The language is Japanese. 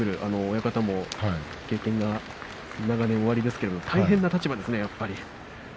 親方も経験が長年おありですけれども大変な立場ですね、やっぱり。